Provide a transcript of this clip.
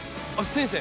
先生